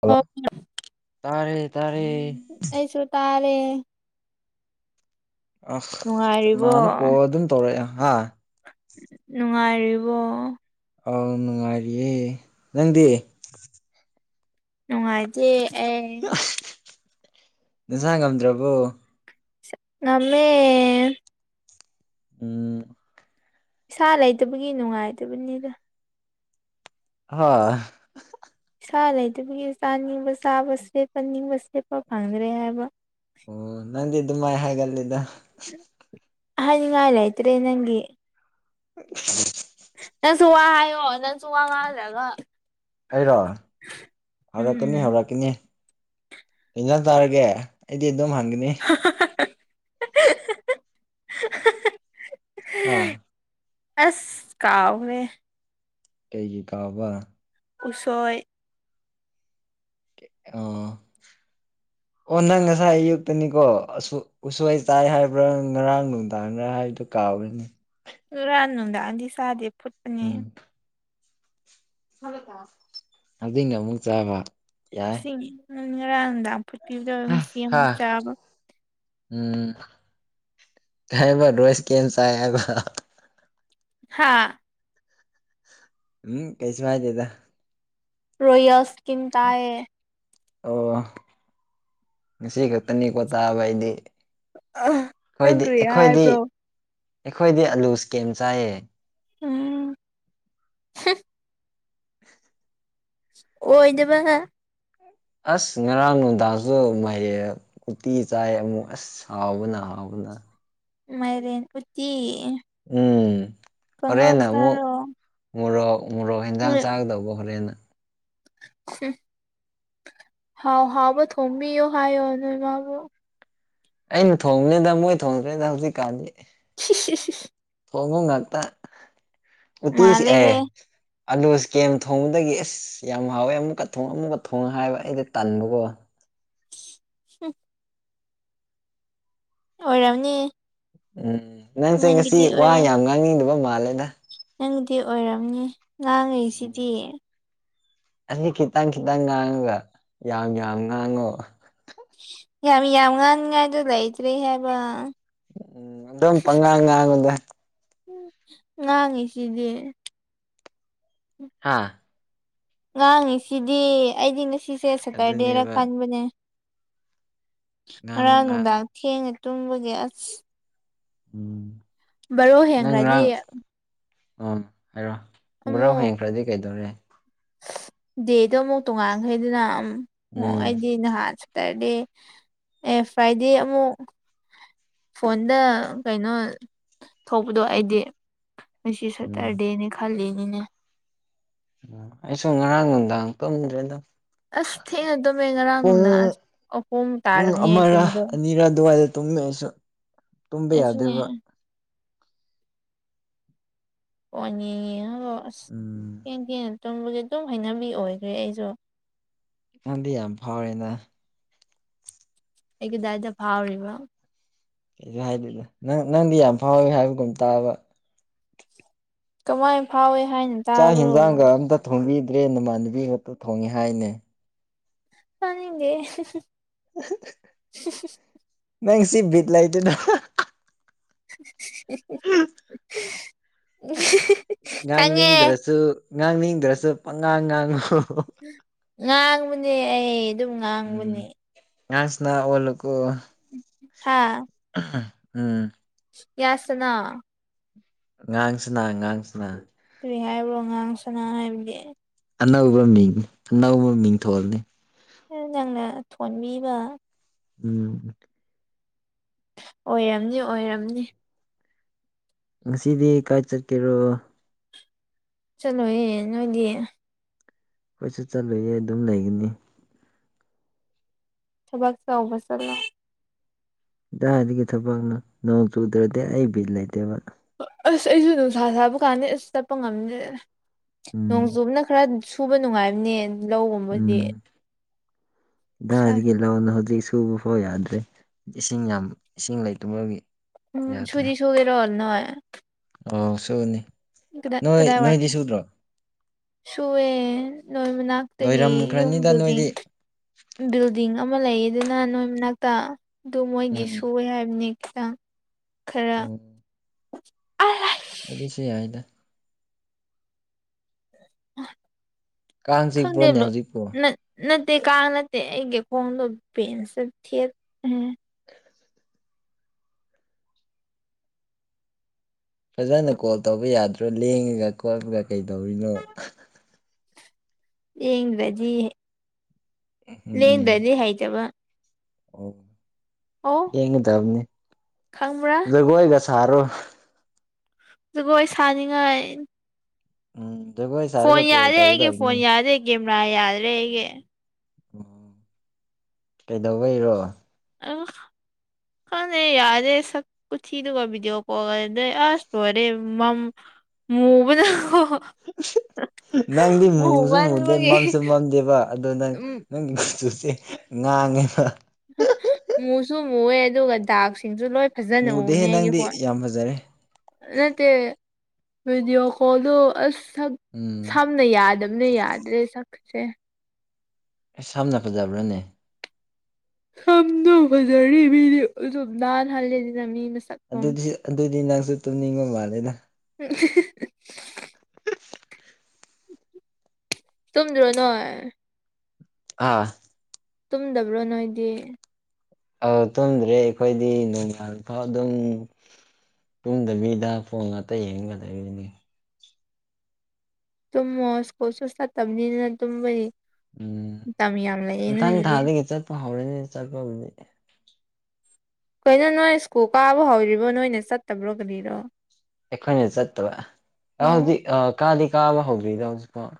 hello ꯑꯣ ꯇꯥꯔꯦ ꯇꯥꯔꯦ ꯇꯦ ꯑ ꯅꯨꯡꯉꯥꯏꯔꯤꯕꯣ ꯅꯅ ꯀꯣ ꯑꯗꯨꯝ ꯇꯧꯔꯛꯑꯦ ꯍꯥ ꯅꯨꯡꯉꯥꯏꯔꯤꯕꯣ ꯑꯥꯎ ꯅꯨꯡꯉꯥꯏꯔꯤꯌꯦ ꯅꯪꯗꯤ ꯅꯨꯡꯉꯥꯏꯖꯦ ꯑꯦ ꯅꯤꯡꯁꯥꯡ ꯉꯝꯗ꯭ꯔꯕꯣ ꯅꯃꯦ ꯎꯝ ꯏꯁꯥ ꯂꯩꯇꯕꯒꯤ ꯅꯨꯡꯉꯥꯏꯇꯕꯅꯤꯗ ꯍ ꯏꯁꯥ ꯂꯩꯇꯕꯒꯤ ꯆꯥꯅꯤꯡꯕ ꯆꯥꯕ ꯁꯦꯠꯄ ꯅꯤꯡꯕ ꯁꯦꯠꯄ ꯐꯪꯗ꯭ꯔꯦ ꯍꯥꯏꯕ ꯑꯣ ꯅꯗ ꯑꯗꯨ ꯃꯥꯥꯏ ꯍꯦꯒꯂꯗ ꯑꯅꯤꯡꯉꯥꯏ ꯂꯩ ꯏꯇꯦ ꯅꯪꯦ [unintelligible] ꯅꯁꯨ ꯎ ꯋꯥ ꯍꯥꯏꯣ ꯅ ꯆꯨ ꯋꯥꯉꯖꯒ ꯑꯩꯔꯣ ꯎꯝ ꯌꯦꯖ ꯇꯥꯔꯒꯦ ꯑꯩꯗꯤ ꯑꯗꯨꯝ ꯍꯪꯒꯅꯤ [unintelligible] ꯑ ꯑꯁ ꯀꯥꯎꯥꯎꯋꯦ ꯀꯩꯒꯤ ꯀꯥꯕ ꯎꯁꯣꯏ ꯑꯥ ꯑꯣ ꯅꯪ ꯉꯁꯥꯏ ꯑꯌꯨꯛꯇꯅꯤꯀꯣ ꯑ ꯎꯁꯥꯏ ꯆꯥꯏ ꯍꯥꯏꯕ꯭ꯔꯥ ꯉꯔꯥꯡ ꯅꯨꯡꯗꯥꯡꯗꯥ ꯍꯥꯏꯕꯗꯨꯣ ꯀꯥ ꯌꯥꯋꯅꯤ ꯨꯔꯥꯟ ꯍꯗꯥ ꯑꯗꯤ ꯁꯥꯗꯦ ꯐꯨꯠꯅꯤ ꯑꯗꯨꯉ ꯑꯃ ꯆꯥꯕ ꯌꯥꯏ ꯏꯁꯤꯡ ꯉꯔꯥꯡ ꯅꯨꯡꯗꯥꯡꯐꯨꯠꯄꯤꯕꯗ ꯉꯁꯤ ꯍꯥ ꯑꯃꯨꯛ ꯆꯥꯕ ꯎꯝ ꯇꯥꯏꯕ ꯔꯣꯏꯁ ꯀ ꯆꯒ ꯍꯥꯥ ꯎꯝ ꯀꯩꯁꯃꯗꯦꯗ ꯔꯣꯌꯣꯌꯁ ꯀꯤꯟ ꯇꯥꯏꯌꯦ ꯑꯣ ꯉꯁꯤ ꯈꯛꯇꯅꯤꯀꯣ ꯇꯥꯕ ꯍꯥꯏꯗꯤ ꯅꯪ ꯑꯩꯈꯣꯏꯗꯤ ꯀꯔꯤ ꯑꯩꯈꯣꯏꯗꯤ ꯍꯥꯏꯕ꯭ꯔꯣ ꯑꯩꯈꯣꯏꯗꯤ ꯑꯂꯨꯁ ꯀꯦꯝ ꯆꯥꯏꯌꯦ ꯎꯝ [unintelligible] ꯑꯣ ꯏꯗꯕꯒ ꯑꯁ ꯉꯔꯥꯡ ꯅꯨꯡꯗꯥꯡꯁꯨ ꯃꯌꯦꯛ ꯎꯣꯇꯤ ꯆꯥꯏ ꯑꯃꯨꯛ ꯑꯁ ꯍꯥꯎꯕꯅ ꯍꯥꯎꯋ ꯑꯗꯨ ꯃꯥꯏꯔꯤꯦꯟ ꯄꯨꯠꯇꯤ ꯎꯝ ꯍꯔꯦꯅ ꯑꯃ ꯆꯥꯔꯣ ꯃ ꯃꯣꯔꯣꯛ ꯍꯦꯟꯖꯥꯡ ꯆꯥꯒꯗꯧꯕ ꯍꯣꯔꯦꯟꯅ ꯍ ꯍꯥꯎ ꯍꯥꯎꯕ ꯊꯝꯕꯤ ꯏ ꯍꯥꯏꯕꯨ ꯑꯩꯅ ꯊꯣꯡꯕꯅꯤꯗ ꯃꯣꯏ ꯊꯣꯡꯗ꯭ꯔꯩꯗ ꯍꯧꯖꯤꯛ ꯀꯥꯟꯗꯤ [unintelligible] ꯈꯣꯡꯉꯨ ꯉꯥꯛꯇ ꯎꯇꯤꯁꯤ ꯑꯦ ꯃꯥꯜꯂꯦꯍꯦ ꯑꯥꯂꯨꯁ ꯀꯦꯝ ꯊꯣꯡꯕꯗꯒꯤ ꯑꯦꯁ ꯌꯥꯝ ꯍꯥꯎꯋꯦ ꯑꯃꯨꯛꯀ ꯊꯣꯡꯉ ꯑꯃꯨꯛꯀ ꯊꯣꯡꯉꯦ ꯍꯥꯏꯕ ꯑꯩꯗ ꯇꯟꯕꯀꯣ ꯁꯤ ꯑꯣꯏꯔꯝꯅꯤ ꯎꯝ ꯅꯪꯁꯦ ꯉꯁꯤ ꯋꯥ ꯌꯥꯝ ꯉꯥꯡꯅꯤꯡꯗꯕ ꯑꯃ ꯅꯪꯗꯤ ꯑꯣꯏꯔꯝꯅꯤ ꯎꯝ ꯉꯥꯡꯉꯤꯁꯤꯗꯤ ꯑꯁꯤ ꯈꯤꯇꯪ ꯈꯤꯇꯪ ꯉꯥꯡꯉꯒ ꯌꯥꯝ ꯌꯥꯝ ꯉꯥꯡꯉꯣ ꯌꯥꯝ ꯌꯥꯝ ꯉꯥꯡꯅꯤꯉꯥꯏꯗꯨ ꯂꯩꯇ꯭ꯔꯦ ꯍꯥꯏꯕ ꯎꯝ ꯑꯗꯨꯝ ꯄꯪꯉꯥꯡ ꯉꯥꯡꯉꯨꯗ ꯎ ꯉꯥꯡ ꯉꯁꯤꯗꯤꯦ ꯍꯥꯥ ꯉꯥꯡꯉꯤ ꯁꯤꯗꯤ ꯑꯩꯗꯤ ꯉꯁꯤꯁꯦ ꯁꯇꯔꯗꯦꯔ ꯑꯗꯨꯅꯦꯕ ꯈꯟꯕꯅꯦ ꯉꯥꯡ ꯉꯔꯥꯡ ꯉꯥꯡꯉꯨ ꯅꯨꯡꯗꯥꯡ ꯊꯦꯡꯉꯦ ꯇꯨꯝꯕꯒꯤ ꯑꯁ ꯎꯝ ꯕꯔꯣ ꯍꯦꯟꯈ꯭ꯔꯗꯤ ꯑ ꯍꯥꯏꯔꯣ ꯕ꯭ꯔꯣ ꯑꯃꯨꯛ ꯍꯦꯟꯈ꯭ꯔꯗꯤ ꯀꯩꯗꯧꯔꯦ ꯗꯦꯗꯣ ꯑꯃꯨꯛ ꯇꯣꯉꯥꯟꯈꯩꯗꯅꯝ ꯑꯣ ꯎꯝ ꯑꯩꯗꯤ ꯅꯍꯥꯟ ꯁꯇꯔꯗꯦ ꯑꯦ ꯐ꯭ꯔꯥꯏꯗꯦ ꯑꯃꯨꯛ ꯐꯣꯟꯗ ꯀꯩꯅꯣ ꯊꯣꯛꯄꯗꯣ ꯑꯩꯗꯤ ꯃꯁꯤ ꯎꯝ ꯁꯇꯔꯗꯦꯅꯦ ꯈꯜꯂꯤꯅꯤꯅꯦ ꯑꯩꯁꯨ ꯉꯔꯥꯡ ꯅꯨꯡꯗꯥꯡ ꯇꯨꯝꯗ꯭ꯔꯦꯗ ꯑꯁ ꯊꯦꯡꯅꯗꯕꯃꯦ ꯉꯔꯥꯡ ꯅꯨꯅꯨꯡꯅꯥ ꯄꯨꯡ ꯑꯁ ꯑꯍꯣꯡ ꯄꯨꯡ ꯇꯥꯔꯕꯝꯅꯤ ꯑꯩ ꯑꯃꯔ ꯌꯨꯝꯗꯣ ꯑꯅꯤꯔ ꯑꯗꯨꯋꯥꯏꯗ ꯇꯨꯝꯃꯦ ꯑꯩꯁꯨ ꯇꯨꯝꯕ ꯑꯩꯁꯨꯅꯦ ꯌꯥꯗꯕ ꯄꯣꯅꯤ ꯍ ꯎꯝ [inaudible] ꯀꯦꯟ ꯀꯦꯟ ꯇꯨꯝꯕꯒꯤ ꯑꯗꯨꯝ ꯍꯩꯅꯕꯤ ꯑꯣꯏꯈ꯭ꯔꯦ ꯑꯩꯁꯨ ꯀꯥꯟꯗꯤ ꯌꯥꯝ ꯐꯥꯎꯔꯤꯅ ꯑꯩꯒꯤꯗꯥꯏꯗ ꯐꯥꯎꯔꯤꯕ ꯀꯁꯨ ꯍꯥꯏꯗꯦꯗ ꯅꯪ ꯅꯪꯗꯤ ꯌꯥꯝ ꯐꯥꯎꯋꯦ ꯍꯥꯏꯕꯒꯨꯝ ꯇꯥꯕ ꯀꯃꯥꯏ ꯐꯥꯎꯋꯦ ꯍꯥꯏꯅ ꯆꯥꯛ ꯇꯥꯕ꯭ꯔꯣ ꯌꯦꯟꯖꯥꯡꯒ ꯑꯝꯇ ꯊꯣꯡꯕꯤꯗ꯭ꯔꯦ ꯅꯃꯥꯟꯅꯕꯤ ꯉꯥꯛꯛꯇ ꯊꯣꯡꯉꯦ ꯍꯥꯏꯅꯦ ꯍꯅꯤꯗꯦ ꯃꯪꯁꯤꯚꯤꯠ ꯂꯥꯏꯇꯅ ꯎ [inaudible] ꯉꯥꯡꯅꯤꯡꯗ꯭ꯔꯁꯨ ꯉꯥꯡꯅꯤꯡꯗ꯭ꯔꯁꯨ ꯄꯉꯥꯡ ꯉꯥꯡꯉꯨ ꯉꯥꯡꯕꯅꯦ ꯑꯩ ꯑꯗꯨꯝ ꯉꯥꯡꯕꯅꯦ ꯌꯥꯁꯅ ꯑꯣꯂ ꯀꯣ ꯍꯥꯥ ꯎꯝ ꯌꯥꯁꯅꯥ ꯉꯉꯥꯡꯁꯤꯅ ꯉꯉꯥꯡꯁꯤꯅ ꯀꯨꯏ ꯍꯥꯏꯕ꯭ꯔꯣ ꯑꯉꯥꯡ ꯁꯅ ꯍꯥꯏꯕꯒꯤ ꯑꯅꯧꯕ ꯃꯤꯡ ꯑꯅꯧꯕ ꯃꯤꯡ ꯊꯣꯍꯅꯤ ꯅꯪꯅ ꯊꯣꯟꯕꯤꯕ ꯎꯝ ꯑꯣꯏꯔꯝꯅꯤ ꯑꯣꯏꯔꯝꯅꯤ ꯉꯁꯤꯗꯤ ꯀꯥꯏ ꯆꯠꯀꯦꯔꯣ ꯆꯂꯣꯌꯦ ꯅꯣꯏꯗꯤ ꯑꯩꯈꯣꯏꯁꯨ ꯆꯠꯂꯨꯌꯦ ꯑꯗꯨꯝ ꯂꯩꯒꯅꯤ ꯊꯕꯥꯛ ꯆ ꯎꯁ ꯏꯇꯥꯒꯤ ꯊꯕꯛꯅꯣ ꯅꯣꯡ ꯆꯨꯗ꯭ꯔꯗꯤ ꯑꯩ ꯕꯤ ꯂꯩꯇꯦꯕ ꯑꯁ ꯑꯩꯁꯨ ꯅꯨꯡꯁꯥ ꯁꯥꯕ ꯀꯥꯟꯗ ꯑꯁ ꯆꯠꯄ ꯉꯝꯗꯦ ꯎꯝ ꯅꯣꯡꯖꯨꯕꯅ ꯈꯔ ꯁꯨꯕ ꯅꯨꯡꯉꯥꯏꯕꯅꯦ ꯂꯧꯒꯨꯝꯕꯗꯤ ꯎꯝ ꯗꯤꯒ ꯂ ꯍꯧꯖꯤꯛ ꯁꯨꯕ ꯐꯥꯎ ꯌꯥꯗ꯭ꯔꯦ ꯏꯁꯤꯡ ꯌꯥꯝ ꯏꯁꯤꯡ ꯂꯩꯇꯕꯕꯒꯤ ꯎꯝ ꯁꯨꯗꯤ ꯁꯧꯒꯔꯜꯅꯥꯣꯏ ꯑꯣ ꯁꯅꯤ ꯅꯣꯏ ꯀꯗꯥꯏꯋꯥꯏ ꯅꯣꯏꯗꯤ ꯁꯨꯗ꯭ꯔꯣ ꯁꯨꯑꯦ ꯅꯣꯏ ꯃꯅꯥꯛꯇꯒꯤ ꯌꯨꯝ ꯂꯣꯏꯔꯝꯈ꯭ꯔꯅꯤꯗ ꯕꯤꯜꯗꯤꯡ ꯅꯣꯏꯗꯤ ꯕꯤꯜꯗꯤꯡ ꯑꯃ ꯂꯩꯌꯦ ꯑꯗꯨꯅ ꯅꯣꯏ ꯃꯅꯥꯛꯇ ꯑꯗꯨ ꯃꯣꯏꯒꯤ ꯎꯝ ꯁꯨ ꯍꯥꯏꯕꯅꯤ ꯈꯤꯇꯪ ꯈꯔ ꯑꯗ ꯁꯤꯗ ꯀꯥꯡ ꯆꯤꯛꯄ꯭ꯔꯣꯅꯦ ꯈꯗꯦꯂ ꯍꯧꯖꯤꯛꯄꯨ ꯅ ꯅꯠ ꯇꯩ ꯀꯥꯥꯟꯅ ꯅꯠꯇꯦ ꯑꯩꯒꯦꯀꯣꯣꯡꯗ ꯄꯦꯟꯁ ꯊꯦꯠ ꯐꯖꯅ ꯀꯣꯜ ꯇꯧꯕ ꯌꯥꯗ꯭ꯔꯣ ꯂꯦꯡꯉꯒ ꯀꯣꯠꯃꯒ ꯀꯩꯗꯧꯔꯤꯅꯣ ꯂꯦꯡꯗ꯭ꯔꯗꯤ ꯎꯝ ꯂꯦꯡꯗ꯭ꯔꯗꯤ ꯍꯩꯖꯕ ꯑꯣ ꯌꯦꯡꯒꯗꯕꯅꯤ ꯈꯥꯡꯔꯥ ꯆꯔꯨ ꯑꯗꯨꯒꯣꯏ ꯁꯥꯅꯤꯡꯉꯥꯏ ꯑꯣ ꯐꯣꯟ ꯌꯥꯗꯦ ꯑꯩꯒꯤ ꯐꯣꯟ ꯌꯥꯗꯦ ꯀꯦꯃꯦꯔꯥ ꯌꯥꯗ꯭ꯔꯦ ꯑꯩꯒꯤ ꯎ ꯀꯩꯗꯧꯕꯩꯔꯣ ꯑ ꯀꯅꯦ ꯌꯥꯔꯦ ꯁꯛꯨꯆꯗꯨꯒꯤꯗꯤꯑꯣꯣ ꯀꯣꯜꯗ꯭ꯔꯦ ꯑ ꯁꯣꯔꯦ ꯃ ꯎ [unintelligible] ꯅꯪꯗꯤ ꯃꯨꯁꯨ ꯃꯨꯗꯦ ꯃꯝꯁꯨ ꯃꯨꯃꯟꯕꯒꯤ ꯃꯝꯗꯦꯕ ꯑꯗꯣ ꯅꯪ ꯎꯝ ꯅꯪ ꯆꯦ ꯉꯥꯡꯉꯤꯕ ꯃꯨꯁꯨ ꯃꯨꯑꯦ ꯑꯗꯨꯒ ꯗꯥꯛꯁꯤꯡꯁꯨ ꯂꯣꯏ ꯐꯖꯅ ꯃꯨꯗꯦꯍꯦ ꯎꯅꯦ ꯍꯥꯏꯒꯤ ꯅꯪꯗꯤ ꯍꯣ ꯌꯥꯝ ꯐꯖꯔꯦ ꯅꯠꯇꯦ ꯚꯕꯤꯗꯤꯑꯣ ꯀꯣꯜꯗ ꯑꯁ ꯎꯝ ꯁꯝꯅ ꯌꯥꯗꯕ ꯑ ꯌꯥꯗ ꯔꯦ ꯁꯀꯁꯦ ꯑꯦ ꯁꯝꯅ ꯈꯖꯕ꯭ꯔꯥꯅꯦ ꯁꯅ ꯐꯖꯔꯗꯤꯗꯥ ꯍꯂꯦꯗꯤ ꯑꯗꯨꯗꯤꯁꯨ ꯑꯗꯨꯗꯤ ꯅꯪꯁꯨ ꯇꯨꯝꯅꯤꯡꯕ ꯃꯥꯜꯂꯦꯅ ꯎꯝ ꯇꯨꯝꯗ꯭ꯔꯣ ꯅꯣꯏ ꯑꯥ ꯇꯨꯝꯗꯕ꯭ꯔꯣ ꯅꯣꯏꯗꯤ ꯑ ꯇꯨꯝꯗ꯭ꯔꯦ ꯑꯩꯈꯣꯏꯗꯤ ꯣꯡꯌꯥꯜꯐꯥꯎ ꯑꯗꯨꯝ ꯇꯨꯡꯗꯕꯤꯗ ꯐꯣꯟ ꯉꯥꯛꯇ ꯌꯦꯡꯒꯗꯔꯤꯕꯅꯤ ꯇꯃꯁ ꯀꯣꯁꯨ ꯁ ꯇꯕꯅꯤꯅ ꯇꯅꯤ ꯎꯝ ꯃꯊꯪ ꯊꯥꯗꯒꯤ ꯆꯠꯄ ꯍꯧꯔꯅꯤ ꯆꯠꯄꯕꯨꯗꯤ ꯀꯩꯅꯣ ꯅꯣꯏ ꯁ꯭ꯀꯨꯜ ꯀꯥꯕ ꯍꯧꯔꯤꯕꯣ ꯅꯣꯏꯅ ꯆꯠꯇꯕ꯭ꯔꯣ ꯀꯔꯤꯔꯣ ꯑꯩꯈꯣꯏꯅ ꯆꯠꯇꯕ ꯑꯣ ꯍꯧꯖꯤꯛ ꯀꯥꯗꯤ ꯀꯥꯕ ꯍꯧꯗ꯭ꯔꯤꯗ ꯍꯧꯖꯤꯛꯀꯥꯎ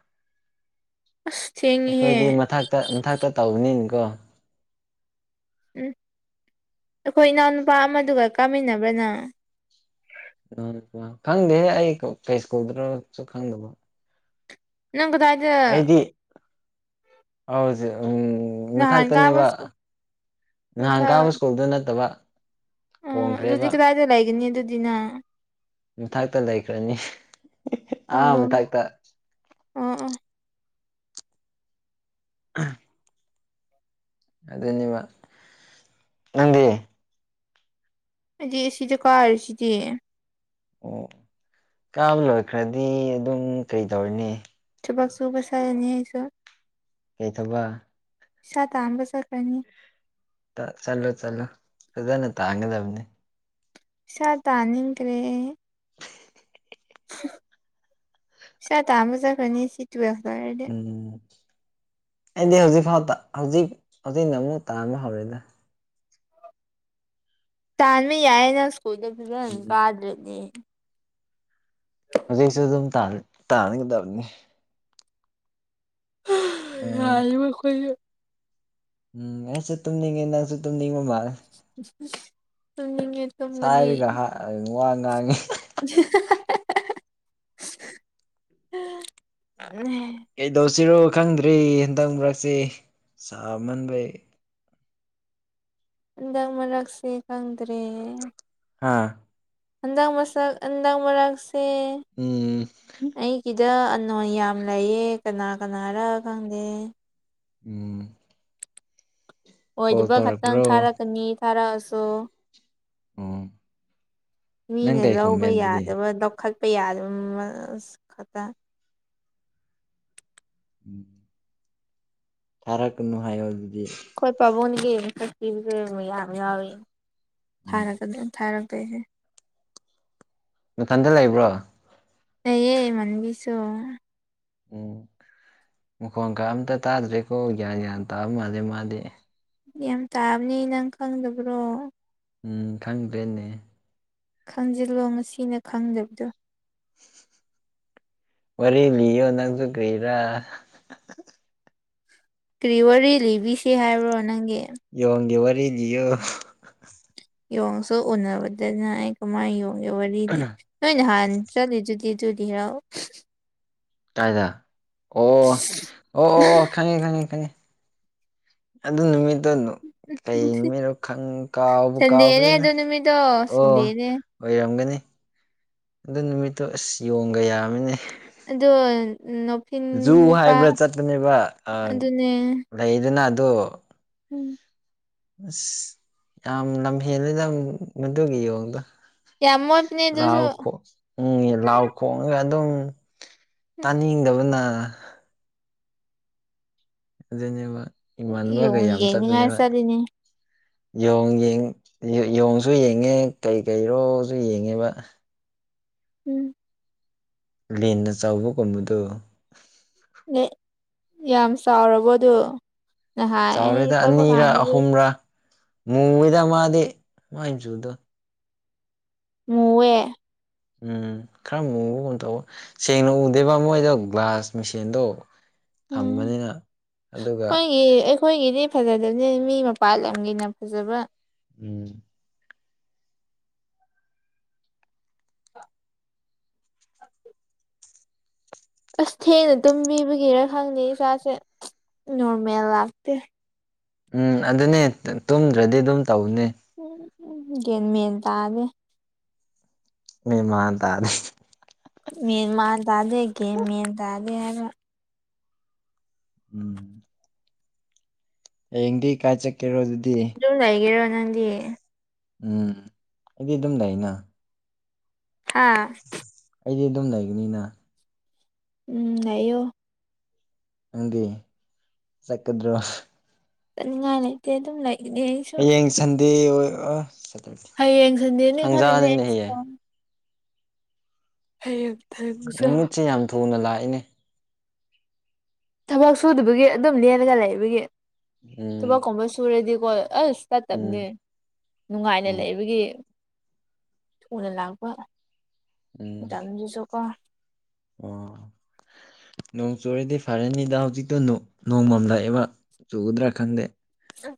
ꯑꯁ ꯊꯦꯡꯉꯤꯍꯦ ꯑꯩꯈꯣꯏꯗꯤ ꯃꯊꯛꯇ ꯃꯊꯛꯇ ꯇꯧꯕꯅꯤꯅꯤꯀꯣ ꯎꯝ ꯑꯩꯈꯣꯏ ꯏꯅꯥꯎꯅꯨꯄꯥ ꯑꯃꯗꯨꯒ ꯀꯥꯃꯤꯟꯅꯕ꯭ꯔꯅ ꯎ ꯈꯪꯗꯦ ꯑꯩ ꯀꯩꯁꯀꯨꯗꯨꯁꯨ ꯈꯪꯗꯕ ꯅꯪ ꯀꯗꯗ ꯍꯥꯎꯖ ꯎꯝ ꯅꯍꯥꯟ ꯀꯥꯕ ꯃꯊꯛꯇꯅꯦꯕ ꯁ꯭ꯀꯨꯜ ꯅꯍꯥꯟ ꯀꯥꯕ ꯏꯁ꯭ꯀꯨꯜꯗꯨ ꯅꯠꯇꯕ ꯎꯝ ꯑꯗꯨꯗꯤ ꯀꯗꯥꯏꯗ ꯂꯥꯏꯒꯅꯤ ꯑꯗꯨꯗꯤꯅꯪ ꯃꯊꯇ ꯂꯩꯈ꯭ꯔꯅꯤ ꯑꯥ ꯃꯊꯇ ꯎꯝ ꯎꯝ [unintelligible] ꯑꯗꯨꯅꯦꯕ ꯅꯪꯗꯤ ꯑꯩꯗꯤ ꯑꯁꯤꯗꯀꯥꯔꯁꯤꯗꯤ ꯑꯣ ꯀꯥꯕ ꯂꯣꯏꯈ꯭ꯔꯗꯤ ꯑꯗꯨꯝ ꯀꯩ ꯇꯧꯔꯤꯅꯤ ꯊꯕꯛꯁꯨꯕꯆꯠꯂꯅꯤ ꯑꯩꯁꯨ ꯀꯩ ꯊꯧꯕꯛ ꯄꯩꯁꯥ ꯇꯥꯟꯕ ꯆꯠꯀꯅꯤ ꯆꯂꯣ ꯆꯂꯣ ꯐꯖꯥꯅ ꯇꯥꯡꯒꯖꯕꯅꯤ ꯄꯩꯁꯥ ꯇꯥꯟꯅꯤꯡꯗꯔꯦ ꯄꯩꯁꯥ ꯇꯥꯟꯕꯆꯠꯅꯤ ꯁꯤꯇ꯭ꯋꯦꯜ ꯎꯝ ꯑꯩꯗꯤ ꯍꯧꯖꯤꯛ ꯐꯥꯎꯗ ꯍꯧꯖꯤꯛ ꯍꯧꯖꯤꯛꯅ ꯑꯃꯨꯛ ꯇꯥꯟꯕ ꯍꯧꯔꯦꯗ ꯇꯥꯟꯕ ꯌꯥꯏꯌꯦꯅ ꯏꯁ꯭ꯀꯨꯜꯗꯨ ꯐꯖ ꯎꯝ ꯀꯥꯗ꯭ꯔꯗꯤ ꯍꯧꯖꯤꯛꯁꯨ ꯑꯗꯨꯝ ꯇꯥꯟꯒꯗꯕꯅꯤ ꯎꯝ [unintelligible] ꯎꯝ ꯑꯁꯦ ꯇꯨꯝꯅꯤꯡꯉꯦ ꯅꯪꯁꯨ ꯇꯨꯝꯅꯤꯡꯕ ꯃꯥꯜꯂꯦ [unintelligible] ꯇꯨꯝꯅꯤꯡꯉꯦ ꯇꯨꯝꯒꯅꯤ ꯁꯥꯏꯔꯒ ꯋꯥ ꯉꯥꯡꯉꯤ ꯀꯩꯗꯧꯁꯤꯔꯣ ꯈꯪꯗ꯭ꯔꯦ ꯍꯟꯇꯛ ꯃꯔꯛꯁꯤ ꯁꯥꯃꯟꯕꯩ ꯍꯟꯗꯛ ꯃꯔꯛꯁꯦ ꯈꯪꯗ꯭ꯔꯦ ꯍꯥꯥ ꯍꯟꯗꯪ ꯃꯁꯛ ꯍꯟꯗꯛ ꯃꯔꯛ ꯎꯝ ꯅꯣꯟ ꯌꯥꯝ ꯂꯩꯌꯦ ꯀꯅꯥ ꯀꯅꯥꯔꯥ ꯈꯪꯗꯦ ꯎꯝ ꯀꯣꯜ ꯑꯣꯏꯗꯕ ꯈꯛꯇꯪ ꯇꯧꯔꯛꯄ꯭ꯔꯣ ꯊꯥꯔꯛꯀꯅꯤ ꯊꯥꯔꯛꯑꯁꯨ ꯎꯝ ꯅꯪ ꯃꯤꯅ ꯀꯩ ꯂꯧꯕ ꯈꯨꯝꯃꯦ ꯑꯗꯨꯗꯤ ꯌꯥꯗꯕꯗꫭ ꯈꯠ ꯄꯩ ꯌꯥꯗꯕ ꯃ ꯈꯠꯇ ꯎꯝ ꯊꯥꯔꯛꯀꯅꯨ ꯍꯥꯏꯌꯨ ꯑꯗꯨ ꯈꯣꯏ ꯄꯥꯕꯨꯡ ꯒꯤ ꯃꯁꯛꯊꯤꯕꯁꯨ ꯌꯥꯝ ꯌꯥꯎꯏꯤ ꯎꯝ [unintelligible] [unintelligible] ꯅꯊꯟꯗ ꯂꯩꯕ꯭ꯔꯣ ꯂꯩꯌꯦ ꯏꯃꯟꯕꯤꯁꯨ ꯎꯝ ꯃꯈꯣꯟꯒ ꯑꯝꯇ ꯇꯥꯗ꯭ꯔꯦꯀꯣ ꯒ꯭ꯌꯥꯟ ꯌꯥꯝ ꯇꯥꯕꯃꯥꯜꯂꯦ ꯃꯥꯗꯤ ꯌꯥꯝ ꯇꯥꯕꯅꯤ ꯅꯪ ꯈꯪꯗꯕ꯭ꯔꯣ ꯎꯝ ꯈꯪꯗ꯭ꯔꯦꯅꯦ ꯈꯪꯖꯤꯜꯂꯣ ꯉꯁꯤꯅ ꯈꯪꯗꯕꯗꯣ ꯋꯥꯔꯤ ꯂꯤꯌꯣ ꯅꯪꯁꯨ ꯀꯔꯤꯔ ꯀ꯭ꯔꯤꯋꯔꯤ ꯂꯤꯕꯤꯁꯤ ꯍꯥꯏꯕ꯭ꯔꯣ ꯅꯪꯒꯤ ꯌꫭꯡꯒꯤ ꯋꯥꯔꯤ ꯂꯤꯌꯣ ꯌꯣꯡꯁꯨ ꯎꯅꯕꯗꯅ ꯑꯩ ꯀꯃꯥꯏꯅ ꯌꫭꯡꯒꯦ ꯋꯥꯔꯤꯗꯤ ꯅꯣꯏꯅ ꯍꯥꯟꯅ ꯆꯠꯂꯤꯗꯨꯗꯤ ꯇꯨꯂꯤꯔꯥꯎ ꯀꯥꯏꯗ ꯑꯣ ꯑꯣ ꯑꯣ ꯈꯪꯉꯦ ꯈꯪꯉꯤ ꯈꯪꯉꯤ ꯑꯗꯨ ꯅꯨꯃꯤꯠ ꯇꫭ ꯀꯩ ꯅꯨꯃꯤꯠꯅꫭ ꯈꯪ ꯀꯥꯎꯕꯨ ꯁꯟꯗꯦꯅꯦ ꯀꯥꯎꯈ꯭ꯔꯦꯗ ꯑꯗꯨ ꯅꯨꯃꯤꯠꯇꯣ ꯑꯣ ꯁꯟꯗꯦꯅꯦ ꯑꯣꯏꯔꯝꯒꯅꯤ ꯑꯗꯨ ꯅꯨꯃꯤꯠꯇꯨ ꯑꯁ ꯌꯣꯡꯒ ꯌꯥꯝꯃꯤꯅꯦ ꯑꯗ ꯖꯨ ꯍꯥꯏꯕ꯭ꯔꯥ ꯆꯠꯄꯅꯦꯕ ꯑꯗꯨꯅꯦ ꯂꯩꯗꯅ ꯑꯗꯣ ꯎꯝ ꯑꯁ ꯌꯥꯝ ꯂꯝꯍꯦꯜꯂꯤꯦꯅ ꯃꯗꯨꯒꯤ ꯌꯣꯡꯗꯣ ꯌꯥꯝ ꯃꯣꯠꯄꯅꯦ ꯑꯗꯨꯁꯨ ꯂꯥꯎꯣꯡ ꯎꯝ ꯂꯥꯎ ꯈꯣꯡꯉꯒ ꯑꯗꯨꯝ ꯇꯥꯅꯤꯡꯗꯕꯅ ꯑꯗꯨꯅꯦꯕ ꯏꯃꯥꯟꯅꯕꯒ ꯌꯣꯡ ꯌꯥꯝ ꯌꯦꯡꯅꯤꯡꯉꯥꯏ ꯆꯠꯄꯅꯦꯕ ꯆꯠꯂꯤꯅꯦ ꯣꯡ ꯌꯦꯣꯡꯁꯨ ꯌꯦꯡꯉꯦ ꯀꯩ ꯀꯔꯣꯁꯨ ꯌꯦꯡꯉꯦꯕ ꯎꯝ ꯂꯤꯟꯅ ꯆꯥꯎꯕꯒꯨꯝꯕꯗꯨ ꯅ ꯌꯥꯝ ꯆꯥꯎꯔꯕꯣ ꯑꯗꯨ ꯅꯍꯥꯟ ꯑꯩ ꯆꯥꯎꯔꯦꯗ ꯆꯠꯄ ꯑꯅꯤꯔ ꯀꯥꯟꯗꯗꯤ ꯑꯍꯨꯝꯔꯥ ꯃꯨꯉꯗ ꯃꯥꯗꯤꯦ ꯃ ꯆꯨꯗ ꯃꯨꯋꯦ ꯎꯝ ꯈꯔ ꯃꯨꯑꯣꯕ ꯀꯣꯟ ꯇꯧ ꯁꯦꯡꯅ ꯎꯗꯦꯕ ꯃꯣꯏꯗꯣ ꯒ꯭ꯂꯥꯁ ꯃꯦꯁꯦꯟꯗꯣ ꯎꯝ ꯑꯩꯈꯣꯏꯒꯤ ꯑꯩꯈꯣꯏꯒꯤꯗꯤ ꯐꯖꯗ ꯅꯤ ꯃꯤ ꯃꯄꯥ ꯂꯝꯒꯤꯅ ꯐꯖꯕ ꯎꯝ ꯑꯁ ꯊꯦꯡꯅ ꯇꯨꯝꯕꯤꯕꯒꯤꯔ ꯈꯪꯗꯦ ꯏꯥꯁꯦ ꯅꯣꯔꯃꯦꯜ ꯂꯥꯛꯇꯦ ꯎꯝ ꯑꯗꯨꯅꯦ ꯇꯨꯝꯗ꯭ꯔꯗꯤ ꯑꯗꯨꯝ ꯇꯧꯅꯦ ꯃꯦꯟ ꯇꯥꯅꯦꯦ ꯃꯃꯥꯟ ꯇꯗ ꯃ ꯃꯥ ꯗꯗꯦꯒꯤ ꯃ ꯗꯗ ꯍꯥꯏꯔ ꯎꯝ ꯍꯡꯗꯤ ꯀꯥꯏꯆ ꯀꯦꯔ ꯑꯗꯨꯗꯤ ꯌ ꯂꯩ ꯍꯥꯏꯒꯦꯔꯣ ꯅꯗꯤ ꯎꯝ ꯑꯩꯗꯤ ꯑꯗꯨꯝ ꯂꯩꯩꯅ ꯍꯥꯥ ꯑꯩꯗꯤ ꯑꯗꯨꯝ ꯂꯩꯒꯅꯤꯅ ꯎꯝ ꯑꯌꯣ ꯍꯪꯦ ꯆꯀꯗꯣ ꯉ ꯂꯩꯇꯦ ꯑꯗꯨꯝ ꯂꯩ ꯂꯩꯁꯨ ꯗꯦ ꯑꯣꯏ ꯁꯦꯇꯔꯗꯦ ꯁꯟꯗꯦꯅꯦ ꯈꯜꯂꯤꯅꯦ ꯊꯪꯖꯥꯅꯤꯅꯦ ꯑꯩꯁꯨ ꯍꯌꯦꯌꯦ ꯍꯌꯦꯡ ꯊꯥꯡꯖꯥ ꯅꯨꯃꯤꯠꯁꯦ ꯌꯥꯝ ꯊꯨꯅ ꯂꯥꯛꯏꯅꯦ ꯊꯕꯛ ꯁꯨꯗꯕꯒꯤ ꯑꯗꯨꯝ ꯂꯦꯜꯂꯒ ꯂꯩꯕꯒꯤ ꯎꯝ ꯊꯕꯛꯀꯨꯝꯕ ꯁꯨꯔꯗꯤꯀꯣ ꯑꯁ ꯏꯁꯇꯥꯇꯞꯅꯦ ꯎꯝ ꯅꯨꯡꯉꯥꯏꯅ ꯎꯝ ꯂꯩꯕꯒꯤ ꯊꯨꯅ ꯂꯥꯛꯄ ꯎꯝ ꯃꯇꯝꯗꯨꯁꯨ ꯀꯣ ꯑꯣ ꯅꯣꯡ ꯆꯨꯔꯤꯗꯤ ꯐꯔꯅꯤꯗ ꯍꯧꯖꯤꯛꯇꯣ ꯅꯣꯡꯃꯝ ꯂꯥꯛꯑꯦꯕ ꯆꯨꯒꯗ꯭ꯔꯥ ꯈꯪꯗꯦ ꯆ